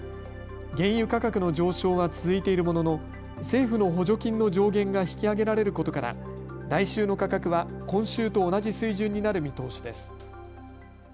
原油価格の上昇は続いているものの政府の補助金の上限が引き上げられることから来週の価格は今週と同じ水準になる見通しです。